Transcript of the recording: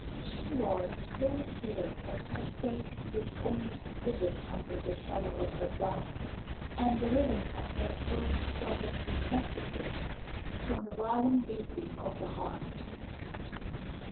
She was so pale that her face looked almost livid under the shadow of her bonnet, and the ribbon at her throat fluttered perceptibly from the violent beating of the heart.